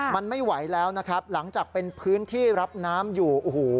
มันไม่ไหวแล้วนะครับหลังจากเป็นพื้นที่รับน้ำอยู่โอ้โห